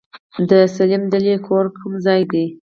د سليم دلې کور کوم ځای دی؟